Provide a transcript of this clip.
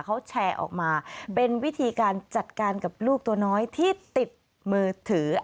เขาแชร์ออกมาเป็นวิธีการจัดการกับลูกตัวน้อยที่ติดมือถือ